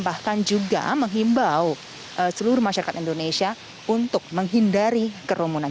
bahkan juga menghimbau seluruh masyarakat indonesia untuk menghindari kerumunan